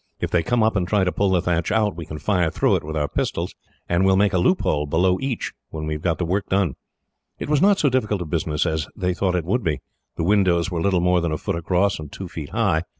If they came up and tried to pull the thatch out, we could fire through it with our pistols; and we will make a loophole below each when we have got the work done." It was not so difficult a business as they thought it would be. The windows were little more than a foot across and two feet high.